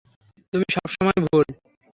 তুমি সবসময় ভুল।